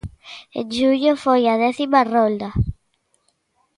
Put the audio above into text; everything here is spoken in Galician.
En xullo foi a décima rolda.